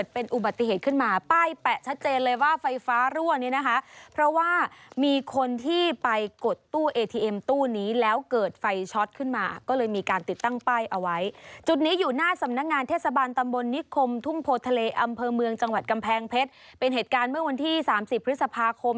เป็นเหตุการณ์เมื่อวันที่๓๐พฤษภาคม